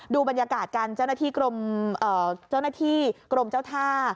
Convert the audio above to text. ดูบรรยากาศกันเจ้าหน้าที่กรมเจ้าท่า